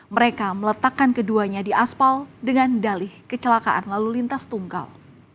mereka meletakkan keduanya di aspal dengan dalih kecelakaan lalu lintas tunggal